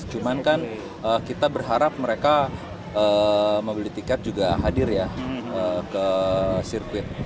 cuman kan kita berharap mereka membeli tiket juga hadir ya ke sirkuit